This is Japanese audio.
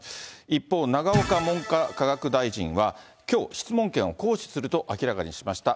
一方、永岡文科科学大臣はきょう、質問権を行使すると明らかにしました。